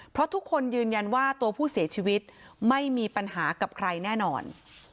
เพราะทุกคนยืนยันว่าตัวผู้เสียชีวิตไม่มีปัญหากับใครแน่นอน